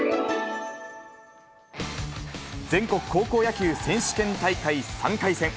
全国高校野球選手権大会３回戦。